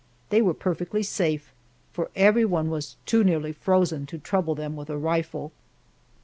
They were perfectly safe, for everyone was too nearly frozen to trouble them with a rifle.